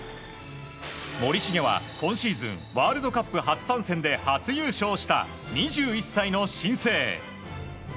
森重は今シーズンワールドカップ初参戦で初優勝した２１歳の新星。